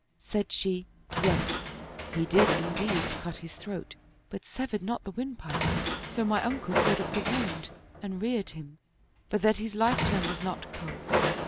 Said she, " Yes, he did indeed cut his throat, but severed not the windpipe ; so my uncle sewed up the wound and reared him, for that his life term was not come."